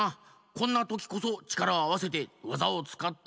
こんなときこそちからをあわせてわざをつかってここからでる！